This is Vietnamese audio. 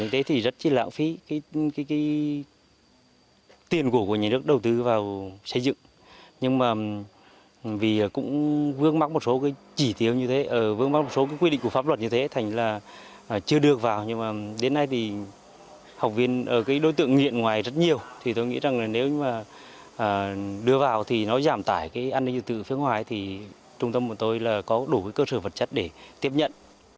thì tôi nghĩ rằng nếu mà đưa vào thì nó giảm tải cái an ninh dự tự phương hoài thì trung tâm của tôi là có đủ cơ sở vật chất để tiếp nhận